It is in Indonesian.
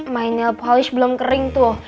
nail polish belum kering tuh